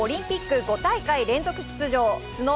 オリンピック５大会連続出場。